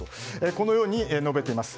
このように述べています。